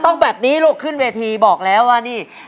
ต้องแบบนี้ลูกขึ้นเวทีบอกแล้วว่านี่